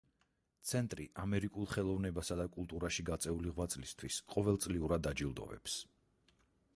ცენტრი ამერიკულ ხელოვნებასა და კულტურაში გაწეული ღვაწლისთვის ყოველწლიურად აჯილდოვებს.